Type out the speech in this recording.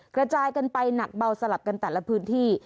กระจายกันไปหนักเบาสลับกันแต่ละพื้นที่